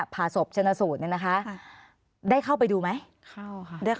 อันดับสุดท้ายแก่มือ